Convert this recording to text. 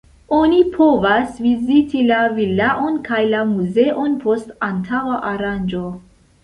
Oni povas viziti la vilaon kaj la muzeon post antaŭa aranĝo.